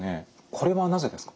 これはなぜですか？